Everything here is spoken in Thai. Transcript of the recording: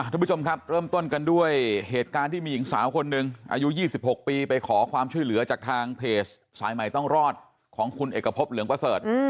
ทุกผู้ชมครับเริ่มต้นกันด้วยเหตุการณ์ที่มีหญิงสาวคนหนึ่งอายุ๒๖ปีไปขอความช่วยเหลือจากทางเพจสายใหม่ต้องรอดของคุณเอกพบเหลืองประเสริฐ